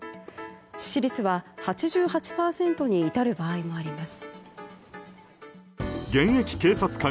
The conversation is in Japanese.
致死率は８８％に至る場合もあります。